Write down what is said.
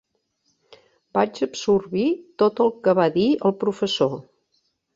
Vaig absorbir tot el que va dir el professor.